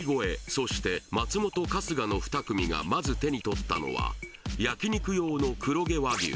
そして松本春日の二組がまず手に取ったのは焼き肉用の黒毛和牛